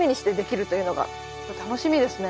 楽しみですね。